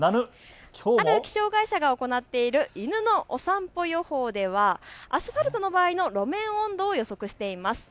ある気象会社が行っている犬のお散歩予報ではアスファルトの場合の路面温度を予測しています。